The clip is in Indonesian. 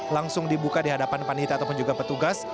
langsung dibuka di hadapan panitia ataupun juga petugas